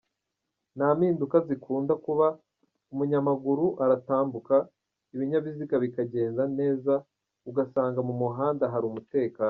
Nta mpanuka zikunda kuba, umunyamaguru aratambuka, ibinyabiziga bikagenda neza ugasanga mu muhanda hari umutekano.